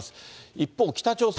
一方、北朝鮮。